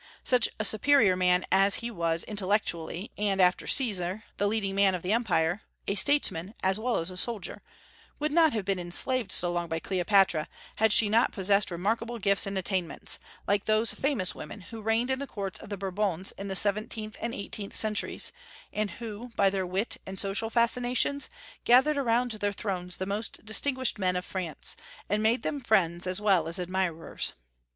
Such a superior man as he was intellectually, and, after Caesar, the leading man of the empire, a statesman as well as soldier, would not have been enslaved so long by Cleopatra had she not possessed remarkable gifts and attainments, like those famous women who reigned in the courts of the Bourbons in the seventeenth and eighteenth centuries, and who, by their wit and social fascinations, gathered around their thrones the most distinguished men of France, and made them friends as well as admirers.